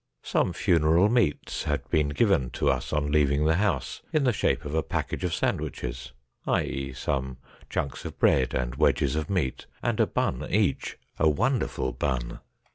Some funeral meats had been given to us on leaving the house, in the shape of a package of sandwiches, i.e., some chunks of bread and wedges of meat, and a bun each — a wonderful bun